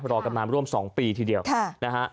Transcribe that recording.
รอกันมาร่วม๒ปีทีเดียวนะฮะ